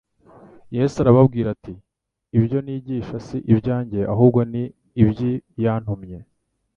Yesu arababwira ati : "Ibyo nigisha si ibyanjye, ahubwo ni iby' Iyantumye.